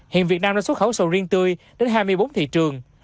hiện việt nam đã xuất khẩu sầu riêng tươi đến hai mươi bốn thị trường